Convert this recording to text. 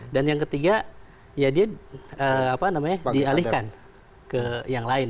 dan yang ketiga dia dialihkan ke yang lain